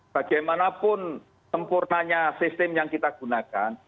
bagaimanapun sempurnanya sistem yang kita gunakan